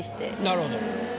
なるほど。